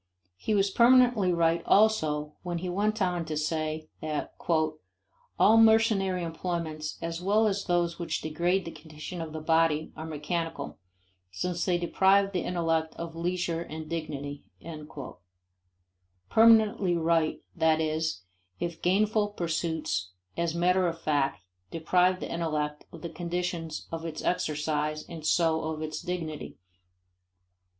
He was permanently right also when he went on to say that "all mercenary employments as well as those which degrade the condition of the body are mechanical, since they deprive the intellect of leisure and dignity," permanently right, that is, if gainful pursuits as matter of fact deprive the intellect of the conditions of its exercise and so of its dignity.